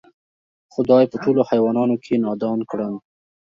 خدای په ټولوحیوانانو کی نادان کړم